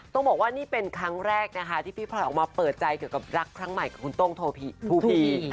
ต้องบอกว่านี่เป็นครั้งแรกนะคะที่พี่พลอยออกมาเปิดใจเกี่ยวกับรักครั้งใหม่กับคุณโต้งทูพี